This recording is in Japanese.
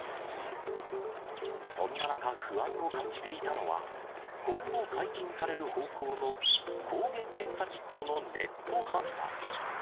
そんな中、不安を感じていたのは、今後、解禁される方向の抗原検査キットのネット販売。